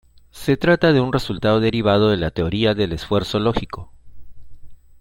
Se trata de un resultado derivado de la teoría del esfuerzo lógico.